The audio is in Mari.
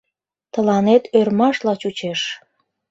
— Тыланет ӧрмашла чучеш!